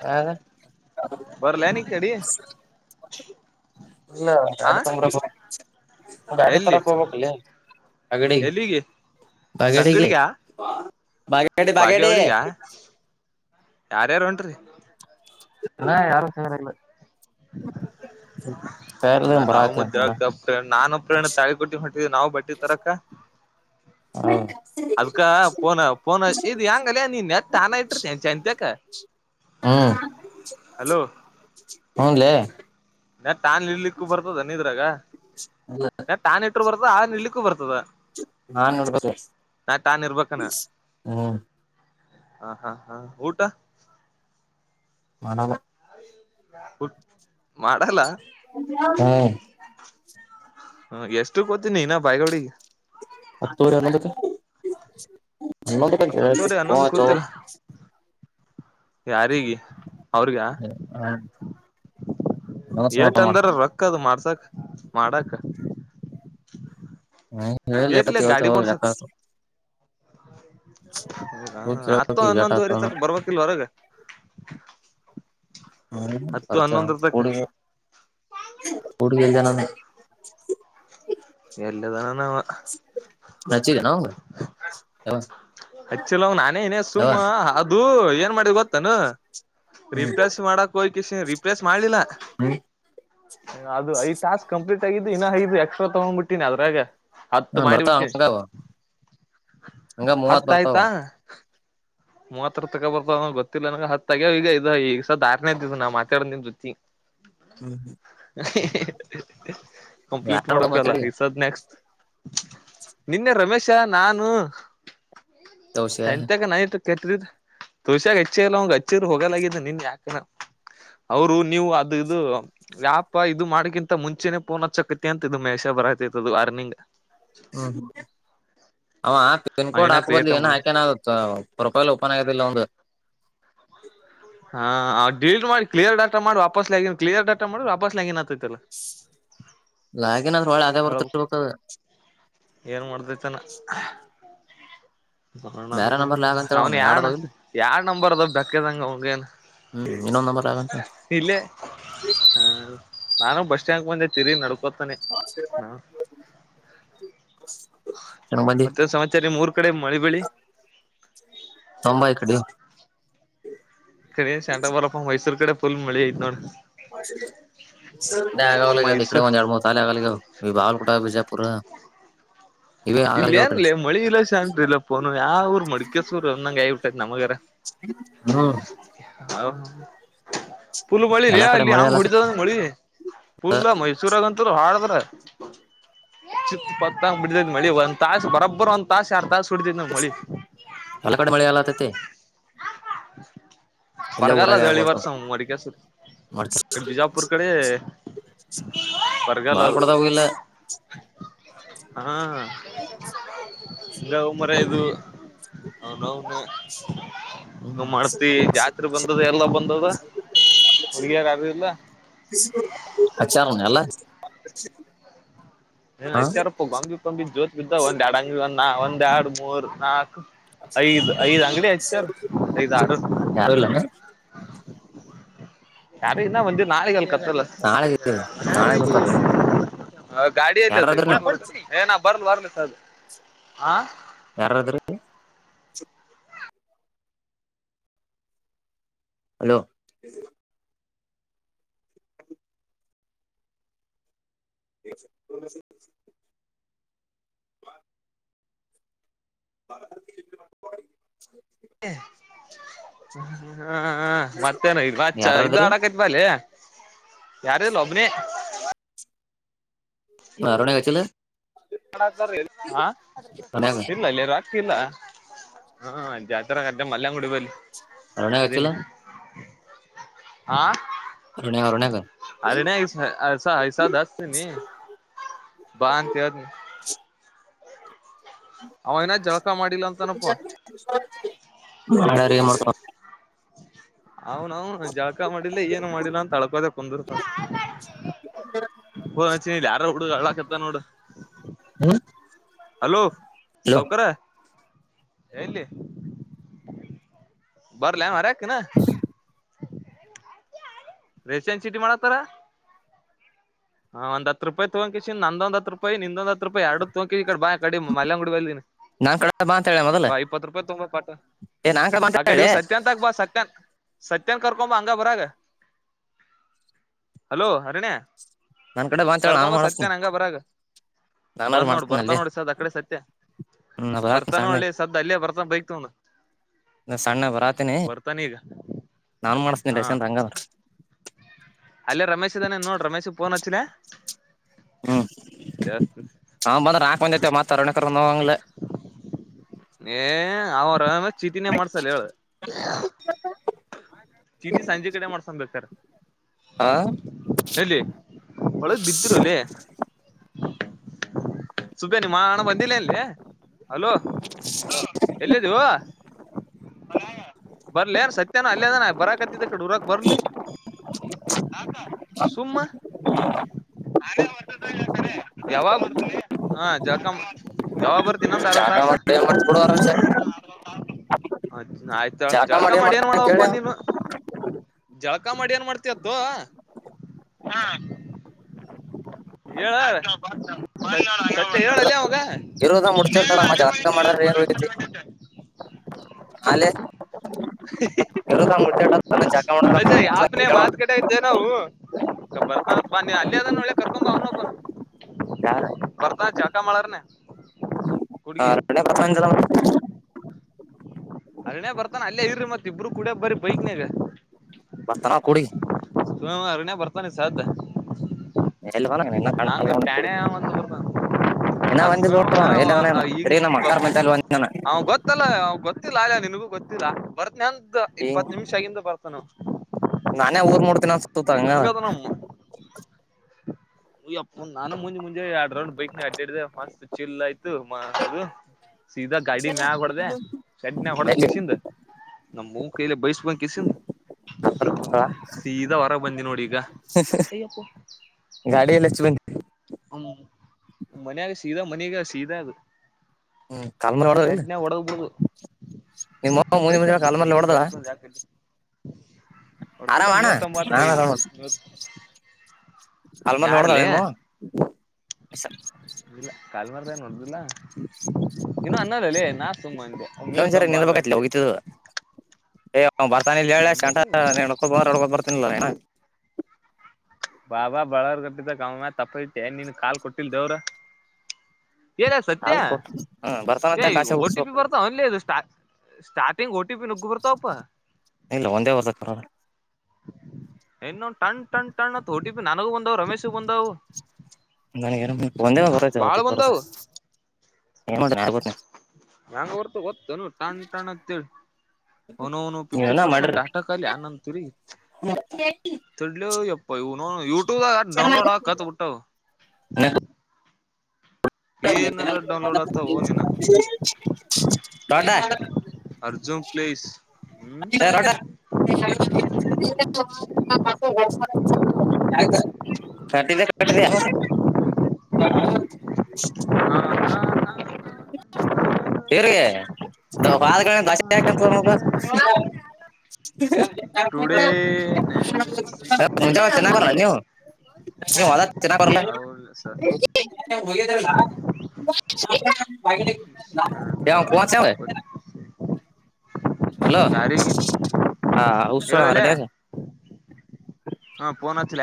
[unintelligible] ಬರ್ಲೇನ ಈ ಕಡಿ ಇಲ್ಲ ಆ ಗಾಡಿ ತಂಬರಕ್ಕೆ [unintelligible] ಗಾಡಿ ಎಲ್ಲಿ ತರಕ್ ಹೋಗಬೆಕ್ಲೆ ಯಾ ಗಡಿ ಎಲ್ಲಿಗೆ ತಂಗಡಿಗ ಬಾಗೇಡಿ ಬಾಗೇಡಿ ಬಾಗೇವಾಡಿಗಾ ಯಾರ್ಯಾರು ಹೊಂಟ್ರಿ. ಇತ್ತನ ಯಾರ ತಯಾರಾಗಿಲ್ಲ. ಅದ ನಾವು ಮುದ ನಾನ್ ಪ್ರರಣ ತಾಳಿ ಕೊಟ್ಟೀಟ್ಟ ನಾವು ಬಟ್ಟಿ ತರಕ್ಕ ಹ್ಮ್ ಅದ್ಕ ಪೋನ ಪೋನ ಇ್ [unintelligible] ಹೆಂಗಲ್ಲಯ ನೀನ್ ನೆತ್ತ ಹಾನ ಇಟ್ಟಿತ ಚಂತಕ ಹ್ಮ ಹ ತಾನ್ ಇಡ್ಲಿಕ್ಕೂ ಬರ್ತದ ನಿದ್ರಾಗ ಎ [unintelligible] ಆನ್ ಇಟ್ರರು ಬರ್ತದ ಆ ನಿಡ್ಲಿಕ್ಕೂ ಬರ್ತದ [unintelligible] ನೆಟ್ ಹ್ಮ್ ಹಾ ಹಾ ಹಾ ಊಟ ಮಾಡಲ್ಲ [unintelligible] ಮಾಡಲ್ಲ ಹ್ಮ್ ಹ ಎಷ್ಟು ಕತಿನಿ [unintelligible] ಇನ ಬಾಯಗೌಡಿಗೆ [unintelligible] ಹತ್ತವರೆ ಅಂದಕ್ಕೆ [unintelligible] ನ [unintelligible] ಜ ಹತ್ತತ್ತುವರಿ [unintelligible] ಫೋನ್ ಅಚೋ ಯಾರಿಗೆ ಅವ್ರಗ ಹ್ಮ ಹನ್ನೊಂದು ಏಟ ಸಮಾಧಾನ ಮಾಡ್ ಅಂದ್ರ ರೊಕ್ಕ ಅದು ಮಾಡ್ಸಾಕ್. ಮಾಡಕ್ ಹ್ಮ ಏಟ್ಲೆ ಹೇಳತಿವತ್ತು ಗಾಡಿ ಮಾಡ್ಸಕ್ ಹೋಗಲ್ಲಕ್ಕತ ಹೌದಾ [unintelligible] ಹತ್ತು ತಿ [unintelligible] ಜಟತ ಹನ್ನೊಂದುವರಿ [unintelligible] ತಕ್ ಬರ್ಬೇಕಿಲ್ ಹೊರಗ ಹತ್ತು ಹ್ಮ್ರ್ಚ ಹನ್ನೊಂದರ [unintelligible] ತಕ ಕೂಡಿ [unintelligible] ಕೂಡಿಲ್್ದನ [unintelligible] ಎಲ್ಲದಾನ ನವಾ ನಚಿ [unintelligible] ಕಣ [unintelligible] ಅಚ್ಚಲ ನಾನೇ ನೇ ಸುಮ್ಮ ಅದು ಏನ್ ಮಾಡ ಗೊತ್ತಾನ ಹ್ಮ್ ರಿಪ್ಲೇಸ್ ಮಾಡಕ್ ಹೋಗ್ ಇದೆ ರಿಪ್ಲೇಸ್ ಮಾಡ್ಲಿಲ್ಲ ಹ್ಮ್ ಅದು ಐದ್ ಟಾಸ್ಕ್ ಕಂಪ್ಲೀಟ್ ಆಗಿದ್ದು ಇನ್ನ ಐದ್ ಎಕ್ಸ್ಟ್ರಾ ತಗೊಂಡ್ಬ ಬಿಟ್ಟೀನಿ ಅದ್ರಾಗ. ಹತ್ತು ಹ್ಮ್ ಬರ್ತಾವ ಮಾಡ್ಬಿಟ್ಟಿ ಹಂಗ ಅವ ಹಂಗ ಮೂವತ್ ಬರ್ ತಾ ಮೂವತ್ರರ ತಗೊಬೆಕೊ ಗೊತ್ತಿಲ್ಲ ನನ್ಗ ಹತ್ ಆಗ್ಯಾವ ಇದ ಇದ್ ಸದ್ ಅರ್ನೆದು ಇದು ಮಾಡ್ತಿರೋದ್ ನಿಮ್ ಜೋತ್ಗಿ. ಹ್ಮ್ ಹ್ಮ್ ಕಂಪ್ಲೀಟ್ ಯಾರ್ ಕೂಡ ಮಾಡಕಲ್ಲ ಮಾತಾಡಿ ಈಸಾದ್ ನೆಕ್ಸ್ಟ್. ನಿನ್ನೆ ರಮೇಶ ನಾನು ತೌಸೆ ಸಂತೆಗ ನಾ ಕೆತ್ತಿದ ತುಷ್ಯಾರ್ ಹೆಚ್ಚಿಲ್ಲ ಅವ ಹಚ್ಚಿರ್ ಹೋಗಲಾಗಿದ್ದ ನಿನ್ ಯಾಕ ಅವರು ನೀವು ಅದು ಇದು ವ್ಯಾಪ ಇದು ಮಾಡಕಿಂತ ಮುಂಚೆನೆೇ ಪೋನ ಅಚ್ಚಕಂತ್ಯ ಅಂತಿದು ಮಹೇ ಬರತೈತದು ಆರ್ನಿಂಗ್- ಹ್ಮ್ ಹ್ಮ ಅವ ಪಿನ್ ಕೋಡ್ ಇನ ಹಾಕಬದ್ಲು ಕ್ರಿಯೇಟ್ ಏನ್ ಮಾಡ ಆಖ್ಯಾನ [unintelligible] [unintelligible] ಒಪನ್ ಆಗದಿಲ್ಲ ಅವ್ನ್ದ ಹಾ ಡಿಲೀಟ್ ಮಾಡಿ ಕ್ಲಿಯರ್ ಡಾಟ ಮಾಡಿ ವಾಪಸ್ ಕ್ಲಿಯರ್ ಡಾಟ ಮಾಡ ವಾಪಸ್ಗ ಲೋಗಿನ್ - - ಗತ್ತತಲ್ಲ ಲಾಗಿನ್ ಅದ್ರ ಒಳೆ ಅದೇ ಹೌ ಬರ್ತಿರ್ಬೇಕ ಏನ್ ಮಾಡ್ದತನ. [unintelligible] ಬೇರೆ ನಂಬರ್ ಲಾಗ್ ಅಂತ ಹೇಳ ಅವನ್ ಯಳ್ನ ಯಾಡದಾವಿಲ್ಲ ಯಾರ್ ನಂಬರ್ ಬೇಕ್ ಅದ ಬೆಕ್ಕದಂಗ ಅವಂಗೇನ್ ಹ್ಮ್ ಇನ್ನೊಂದ್ ನಂಬರ್ - ಲಾಗ್ ಅಂತ - ಇಲ್ಲೇ ಹ ನಾನು ಬಸ್ ಸ್ಟ್ಯಾಂಡ್ ಮುಂದೆ ತಿರಿಗಿ ನಡ್ಕೋತ [unintelligible] ಹೇಳ ಬಂದಿ ಮತ್ತೆನ್ ಸಮಾಚಾರ ನಿಮೂರ್ ಕಡೆ ಮಳಿ ಬೆಳಿ. ತೊಂಬ ಈ ಕಡೆ ಕಡೆ ಶಾಂಡ ಬರಪ್ಪ ಮೈಸೂರ್ ಕಡೆ ಫುಲ್ ಮಳಿ ಐತ್ ನೋಡ್ - - ಹಾಚ [unintelligible] [unintelligible] ಇಕಡೆ ಮೈಸೂರ್ ಒಂದ್ ಎರಡು ಮೂರು ಶಾಲಿಗಳ್ ಇದವ್ ಬಾಗಲ್ಕೋಟೆ ಬಿಜಾಪುರ. ಇವೇ ಇಲ್ಲ ಆಗಲ್ಗ್ಯಾವ ಈ ಏನ್ ಕಡೆ ಲೆ ಮಳಿ ಇಲ್ಲ ಶಾಂತ್ ಇಲ್ಲಪ್ಪನು ಯಾವರು ಮಡ್ಕೆಸ್ವರ್ ಅಂನಂಗ್ ಆಯ್ಬುಟೈತ್ ನಮಗಾರ. [unintelligible] ಹೌ ಪುಲ್ ಮಳಿ ಎಲ್ಲಾ ಇಲ್ಯ ಕಡೆ ಇಲ್ ಮಳೆ ಹಾಂಗ್ ಆಲ ಹೊಡಿದದ ಮಳಿ ಪುಲ್ಲಾ ಮೈಸೂರಾಗಂತ ಹಾಡದ್ರ ಚಿತ್ ಪತ್ತಂಗ್ ಬಿದದ್ ಮಳಿ ಒಂದ್ ತಾಸ್ ಬರಬ್ಬರು ಒಂದ್ ತಾಸ ಎರಡ್ ತಾಸ್ [unintelligible] ಮಳಿ ಎಲ್ಲಾ ಕಡೆ ಮಳೆ ಆಲತೈತಿ ಹ ಇಲ್ಲೇ ಬರಗಲ್ಲ ಊರಾಗ ದಳ್ ಈ ಆಗ್ಬೇಕು ವರ್ಷವು [unintelligible] ಬಿಜಾಪುರ್ ಕಡೆ ಬರಗಾಲ ಬಾಲ್ ಅದ ಕೊಡದವ್ ಇಲ್ಲ ಹಾ ಇದ್ [unintelligible] [unintelligible] ಹ್ಮ್ ಹ್ ಮಾಡ್ತಿ ಜಾತ್ರೆ ಬಂದದ ಎಲ್ಲ ಬಂದದ. ಹುಡುಗಿಯಾರ ಯಾರು ಇಲ್ಲ ಅಚ್ಚಾರೆನ್ ಅಲ ಅ [unintelligible] ಏ ಎಚ್ಚಾರಪ್ಪ ಗಂಬಿ ಕಂಬಿ ಜೋತ್ ಬಿದ್ದ ಒಂದ ಎರಡ್ ಅಂಗ ಒಂದ ಒಂದ ಎರಡ್ ಮೂರ್ ನಾಕ್ ಐದ್ ಐದ್ ಅಂಗಡಿ ಹೆಚ್ಚಾರ ಐದ್ ಆ ಯಾರು ಇಲ್ಲ ಯಾರು ಇನ್ನ ಬಂದಿಲ್ಲ ನಾಳೆಗಲ್ ಕತ್ತಲ್ ನಾಳೆ ನಾಳೆ ಬರ್ತಾರ ಮಂದಿ ಗಾಡಿಯಲ್ ಅದೆ ಯಾರಾದ್ರಿ ನೀವು ಏ ನ ಬರ್ಲ್ ಬರ್ಲ ಅದು ಹ ಯಾರಾದ್ರೀ ಹಲೋ [inaudible] [unintelligible] ಹ ಮತ್ತೇನು ಇದಚ್ ಯಾರಾರದ್ರಿ ಇದ್ಆಡಕೈತ್ವ ಲೆ ಯಾರು ಇಲ್ಲ ಒಬ್ನೆ. ಅರೋಣ [unintelligible] ಹ ಅರುಣ್ಯಾಗ ಇಲ್ಲ ಲೆ ರಾಕಿ ಇಲ್ಲ. ಹಾ ಜಾತ್ರಾಗ ಮಲ್ಲೇನ ಗುಡಿಬಲ್ಲಿ ಅರುಣ್ಯಾಗ ಹಚ್ಚಿಲ್ಲ ಅದೇನಿ ಹಾ ಅರುಣೆ ಅರುಣ್ಯಾಗ ಅರಣ್ಯಾಗ ಸ ಇಸದ ಹಚ್ಚತಿನಿ ಬಾ ಅಂತ ಹೇಳತಿನಿ ಅವ ಇನ್ ಜಳಕ ಮಾಡಿಲ್ಲ ಅಂತ ಅನಪ [unintelligible] ಅವನೌನ ಜಳಕ ಮಾಡಿಲ್ಲ ಏನು ಮಾಡಿಲ್ಲ ಅಂತ ಅಳ್ಕೋದೆ ಕುಂದರ್ತ ಫೋನ್ ಹಚ್ಚಿದಿಲ್ಲ ಯಾರ ಹುಡುಗ ಅಳಕತ್ತದ ನೋಡ ಹಲೋ ಹಲೋ ಸೌಕಾರ ಎಲ್ಲಿ ಬರಲೇನ ಹೋರಕ್ಕ‌ಇನ್ನಾ ರೇಷನ್ ಚಿಂತಿ ಮಾಡತಾನ ಹಾ ಒಂದ ಹತ್ತ ರೂಪಾಯ ತಗೊಂಡಕೇಸಿನ ನಂದೊಂದ ಹತ್ ರೂಪಾಯಿ ನಿಂದೊಂದ ಹತ್ ಹತ್ ರೂಪಾಯಿ ಎರಡು ತೋಂಕೆ ಈ ಕಡಿ ಬಾ ಮಲ್ಯನಗುಡಿ ಬಲ್ದಿನಿ ನಾನ್ ಕಡೆ ಬಾ ಅಂತ ಹೇಳಿ ಮೊದಲ ಬಾ ಇಪ್ಪತ್ ರೂಪಾಯಿ ತೊಂಬಾ ಪಟ್ಟ ಏ ನಾನ್ ಬಾ ಅಂತ ಆ ಕಡೆ ಹೇಳಿ ಇವ ಸತ್ಯಂತ ಆಗ ಬಾ ಸತ್ಯಂತ ಸತ್ಯನ್ ಕರ್ಕೊಂಬ ಅಂಗ ಬರಾಗ ಹಲೋ ಹರಣ್ಯೆ ನನ್ ಕಡೆ ಬಾ ಅಂತ ಹೇಳಿ ನಾನು ಕರ್ಕೊಂಬಾ ಸತ್ಯ ಮಾಡಿಸ್ತೀನಿ ನ ಹಂಗ ಬರಾಗ ನಾನಾರು ಬಂದ್ ನೋಡ್ ಮಾಡ್ತೀನಿ ಬರ್ತಾ ಅಲ್ಲಿ ನೋಡ ಈ ಸದ್ದ ಅಕಡೆ ಸತ್ಯ ಹ್ಮ್ ನಾ ಬರಾತೀನಿ ಬರ್ತಾನ ಸಣ್ಣ ನೋಡಲೇ ಈ ಸದ್ದ ಅಲ್ಲೇ ಬರ್ತಾನ ಬೈಕ್ ತೋಂದ ಸಣ್ಣ ಬರಾತೀನಿ ನಾನ್ ಮಾಡಸ್ತೇನಿ ಹಾ ರೇಷನ ಹಂಗದರ ಅಲ್ಲೇ ರಮೇಶ್ ಇದ್ದಾನೆನ ನೋಡ್ ರಮೇಶ್ ಫೋನ್ ಹಚ್ಚಿನೆ ಹ್ಮ್ ಅವ ಬಂದ್ರ ನಾಕ್ ಮಂದಿ ಆತವಿ ಮತ್ತ ಅರುಣೆ ಕರಕೊಂದ ಹೋಗಂಗಲ್ಲ ಏ ಅವರ ಚೀತಿನೇ ಮಾಡ್ಸಲ್ಲ ಹೇಳ ಚೀಟಿ ಸಂಜಿ ಕಡೆ ಮಾಡ್ಸಮ ಬೇಕಾರೆ ಆ ಎಲ್ಲಿ ಒಳಗ್ ಬಿದ್ದರೊಲ್ಲೇ ಸುಬೆ ನಿಮ್ಮ ಹಾಣ್ಣ ಬಂದಿಲ್ಲೇನ ಲೇ ಹಲೋ ಎಲ್ಲಿದ್ದೇವೊ ಮನ್ಯಾಗ ಬರ್ಲಿ ಏನ್ ಸತ್ಯಾನ ಅಲ್ಲೆ ಅದಾನ ಬರಕತ್ತಿದ್ದ ಈಕಡಿ ಊರಕ್ ಬರ್ಲಿ ಯಾಕ್ ಸುಮ್ಮ [unintelligible] ಯಾವಾಗ್ ಬರತ್ತಿ ಜಳಕ ಮಾಡಿ ಟೈಮ್ ಮಾಡತ್ತಿ ಬಿಡು ಅಕಡಿ ಇನಾ ಅರ್ಧ ತಾಸು ಆಯ್ತ ಹೇಳ ಜಾಗ ಜಳಕಾ ಮಾಡಿ ಏನ್ ಮಾಡ್ತಾನ ಮಾಡವಪ್ಪ ಕೇಳಿ ನೀನು ಜಳಕ ಮಾಡಿ ಏನ್ ಮಾಡ್ತಿತ್ತು ಹ ಹೇಳ ಸತ್ಯ ಹೇಳಲ್ಲಿ ಇರ- ಅವ ಇರೋದ ಇನ್ನ ಇಗರ ಮುಡ್ಚಿಟ್ಟಾರ ಅಲ್ಲೇ ಜಾಗ ಹೋಗಿದ್ದೆ ಮಾಡಿದ್ರೆ ಏನ್ ಮಲ್ಲೆನಗುಡಿ ಉಳಿತೈತಿ ಹೊಂಟಿದ್ದೆ ಅಲ್ಲೇ ಇರೋದ ಮುಡ್ಚಿಟ್ಟಾರ ಜಾಗ ರಮೇಶ್ ಮಾಡಿದ್ರ ಅಪ್ನೇಗ ಕೇಳೋಣ ಮಾತ್ ಕಟ್ಟೇತವ ನಾವು ಬರ್ತಾನಂತ್ ಬಾ ಅಲ್ಲೇ ಅದನ ನೋಡಲೆ ಕರ್ಕೊಂಬ ಅವನೋಬ್ಬನ ಯಾರ ಬರ್ತಾನ ಜಳಕ ಮಾಡಾರನೆ ಹುಡ್ಗಿ [unintelligible] ಅರುಣೇ ಬರ್ತಾನ ಅಲ್ಲೇ ಇರರಿ ಮತ್ತ ಇಬ್ರು ಕೂಡೆ ಬರೀ ಬೈಕ್ನಾಗ ಬರ್ತಾನ ಕುಡಿ ಹು ಅರಣೇ ಬರ್ತಾನ ಈ ಸದ ಎಲ್ಲಿದಾನ ಇನ್ನ ಕಾಣಲ್ಲ ಹಂಗ ಅವ್ನ ಕುಡಿ ಟ್ಯಾಣಂದು ಇನ್ನ ಒಂದಿಲ್ ನೋಡ ಎಲ್ಲಿದಾನ ಏನ ತಿರ್ಗಿ ನಮ್ಮ ಅಕ್ಕಾರ ಮೈತಲ್ ಒಂದಿನ ಅವ ಗೊತ್ತಲ್ಲ ಗೊತ್ತ ಗೊತ್ತಿಲ್ಲಾಲೇ ನಿನಗೂ ಗೊತ್ತಿಲ್ಲ ಬರ್ತ್ ನಂದ್ ಈ ಇಪ್ಪತ್ತ್ ನಿಮಿಷ ಆಗಿಂದ ಬರ್ತಾನವ ನಾನೇ ಊರ್ ಮುಟ್ಟುತಿನಿ ಅನ್ಸುತ್ತತ ಹಂಗಾದರ ಹಂಗದ ಪ್ಪ ನಾನು ಮುಂಜೆ ಮುಂಜೆಳ ಎರಡ್ ರೌಂಡ್ ಬೈಕ್ ನಾಗ ಅಡ್ಡಡ್ದಿ ಮಸ್ತ್ ಚಿಲ್ ಆಯ್ತು ಮದು ಸೀದಾ ಗಾಡಿ ಮ್ಯಾಗ ಹೊಡ್ದ ಸಡ್ನ್ಯಾಗ ಹೊಡದ್ ಎಲ್ಲಿ ಕೆಸಿಂದ್ ನಮವ್ವನ ಕೈಲೆ ಬೈಸ್ಬಂಕಸಿನ್ ಕಲ್ಮಲ್ ಹೊಡ್ದಳ ಸೀದಾ ಹೊರಾಗ ಬಂದಿ ನೋಡಿ ಈಗ ಆಯ್ಯಪ್ಪ ಗಾಡಿ ಎಲ್ಲ ಹಚ್ಚಿ ಬಂದಿ ಹ ಮನ್ಗ ಸೀದಾ ಮನಗ ಸೀದಾಗ ಹ್ಮ ಕಲ್ಮ ವಡೋ ಇಲ್ಲ ನಿಮ್ಮ ಮುಂದ ಮುಂ ಕಾಲ ಮೇಲೆ ನೋಡ್ದ [unintelligible] ಹೊರ್ದಿಲ್ಲ ಮೂವತ್ತೊಂಬತ್ತು ಬೈ ಇದು ಅಲ್ಮ ರದೇಮ [unintelligible] ಕಲ್ಮರ್ದ ನೋದು [unintelligible] ಇಲ್ಲ ಇನ್ನು ಅನ್ನದಲ್ಲಿ ನಾು ತುಂಬಾ ಅಂದೆ ಮೇವ ತಂಬ ಅಂದ್ರೆ ಅಷ್ಟೇ [unintelligible] ಏ್ ಬರ್ತಾನ ಇ ಹೇಳ ನಿಂದಿರ್ಲಿಲ್ಲ ನಮ್ಮವ್ ಶಂಟಕ ಹೊಕ್ ಬರ್ತಿನನಿಲ್ಲ ಏ [unintelligible] ಬಾಬಾ ಬಳವರ್ಗಟ್ಟಿದ್ದ್ಯ ತಪ್ಪ ಇಟ್ಟ ಏನ್ ನೀನ್ ಕಾಲ್ ಕೊಟ್ಟಿಲ್ದವ್ರ ಹೇಳ ಸತ್ಯ ಹಾಲ್ ಕೊಟ್ಟು ಹ್ಮ್ ಏ ಬರ್ತಾನಂತ ಈಗ ಕಾಸೆ ಓ ಟಿ ಪಿ ಹುಡ್ಸ್ಬೇಕು ಬರ್ತಾವ ಏಳ್ನೇ ಇದು ಸ್ಟಾ ಸ್ಟಾರ್ಟಿಂಗ್ ಓ ಟಿ ಪಿ ನುಗ್ಗು ಬರ್ತಾವಪ್ಪ ಇಲ್ಲ ಒಂದೇ ವರ್ತಕ್ಕ ಇನ್ನು ಟಣ್ ಟಣ್ ಟಣ್ಣ ಅಂತ ಓ ಟಿ ಪಿ ನನಗೂ ಬಂದಾವ ರಮೇಶಗ ಬಂದವು ನನ ನಂದೇ ಬರ ಬಾಳ ಹೊಟ್ಟಿಗೆ ಬರತ್ತ ಬಂದವು ಏ [unintelligible] ನಂಗ ಹೊರ್ತ ಹೊತನು ಟಾಣ ಟಾಣ ಅಂತೇಳಿ ಹನು ಅವನ ನೀವ್ ಫಿಫ್ಟಿ ಏನ ಪರ್ಸೆಂಟ್ ಡೇಟಾ ಕಲ್ಲಿ ಅನಂತುರಿ ಮಾಡ್ರಿ ತಿಡ್ಲ ಎಪ್ಪ ಇವನು ಅವನ ಯೂಟ್ಯೂಬ್ ಡೌನ್ಲೋಡ್ ಆ ರೊಡ್ಡ ಕತ್ಬಟ್ಟ ೊಂಡ ಏನಾರ ಡೌನ್ಲೋಡ್ ಆಗ್ತಾವೋ ನಿನ [unintelligible] ಅರ್ಜುನ್ ಪ್ಲೇಸ್ ಹ್ಮ್ ಅರ [unintelligible] ಕಟ್ಟದೆ ಕಟ್ಟದೆ [unintelligible] ನ [inaudible] ತಿರ್ಗೆ ದ ಹಾದ ದಸೆ ಆಾಕಂತ ಮಗ [unintelligible] [inaudible] ಟುಡೆೇ ನಿಜ ಚೆನ್ನ ಬರಲ್ಲ ನೀವು ನೀವುದ ಚೆನ್ನಾಗ ಬರಲ್ಲ [unintelligible] ರಾಹುಲ್ ಸರ್ ಪಚೆ ರಾಹುಲ್ [unintelligible] ಹಲೋ ಯಾರಿಗೆ ಹಾ ಹಸ ರೆಡಿ ಹಾಗು ಹ್ಮ ಫೋನ್ ಅಚಲ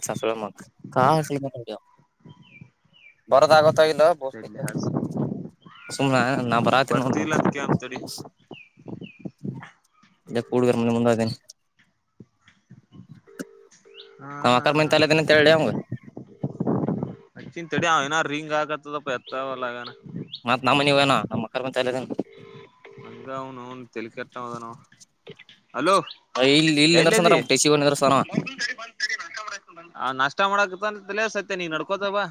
ಾಸ ಬರದ ಆಗತ್ತ [unintelligible] ಸು ನಾ [unintelligible] ಬರಾತ ನೋಡು ಬರ್ತಿಲ್ಲ ಮತ್ತ ಅದ್ಕ ಅಂತ ಕೇಳ್ ತಡಿ ಎಲ್ಲ ಕೂಡುಗರ ಮೆ ಮುಂದ್ದೇನನೆ [unintelligible] ಹಾ ನಕ ಹಾ ಮ ಹಾ ತಾಲದಿನ ಅಂತ ಹೇಳಿ ಅವಂಗರ್ [unintelligible] ಚಿಂತೆಡಿ ಅವ ಏನ ರಿಂಗ್ ಆಗತದಪ್ಪ ಎತ್ತಾವಲ್ಲಗನ ಕರ್ಮಚಾರಿಿಯದನು [inaudible] ಅಂಗ ಅವ್ನು ತಲಿಕಟ್ಟವು ಅದನುವು ಹಲೋ ಇಲ್ಲಿ ಇಲ್ಲಿ ನಿಂದ್ರಸಂದ್ರ ಹೇಳಧೀ ನಮ್ ಟೆಸಿ ನಿಂದ್ರಸಾನ ನಷ್ಟ ಮಾಡಕ ಅಂತಲ ಸತ್ಯ ನೀ ನಡ್ಕೋತ ಬಾ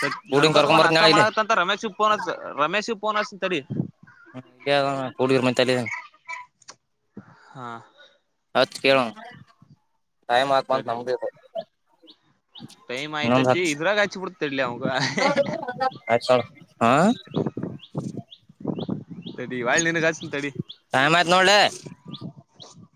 ಸ ಕೂಡಿಂಗ್ ನಡ್ಕೋತಪ ಕರ್ಕೊಂಡ್ ಬರ್ತೀನಿ ನಷ್ಟ ನಾಳೆ ಇಲ್ಲಿ ಮಾಡತ್ತ ಅಂತ ರಮೇಶ್ಫೋನ ರಮೇಶ್ ಫೋನ ಅಚ್ಚತೀ ಸರಿ ಹ್ಮ ಇಲ್ಲ ಕೂಡಿರ ಮ ತಾಲಿ [unintelligible] ಹಾ ಕೇಳೋಣ ಟೈಮ್ ಹಾಕಂತ ತಡಿ ನಬೇಕು ಟೈಮ್ ನ ಆಯ್ತತಿ ಇದ್ರಾಗ ಹಚ್ಚಿ ಬಿಡ್ತ ತಡ್ಲಿ ಅವಾಗ ಅ [inaudible] ಹಾ ತಡಿ ವಾಳ ನಿಂಗೆ ಹಚ್ಚುತ್ತೀನಿ ಟೈಮ್ ತಡಿ ಆಯ್ತ್ ನೋಡ್ಲೆ.